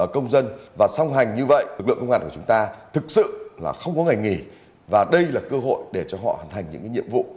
công dân và song hành như vậy lực lượng công an của chúng ta thực sự là không có ngày nghỉ và đây là cơ hội để cho họ hoàn thành những nhiệm vụ